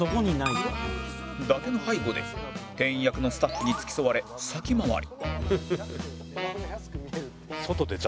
伊達の背後で店員役のスタッフに付き添われ先回り